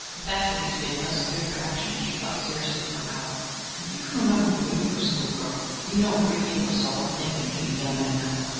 Her faculties being thus cleared for action, she thought seriously for an hour. If you can remember when you were a school girl, you know a great deal of solid thinking can be done in an hour.